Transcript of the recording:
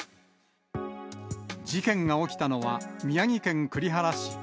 事件が起きたのは宮城県栗原市。